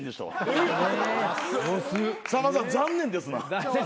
さんまさん残念ですな。